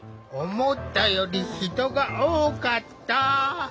思ったより人が多かった。